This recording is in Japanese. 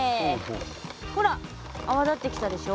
ほらあわ立ってきたでしょ？